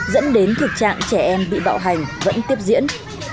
dẫn đến thực trạng trẻ em bị bạo hành vẫn tiếp diễn